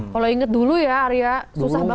kalau inget dulu ya arya susah banget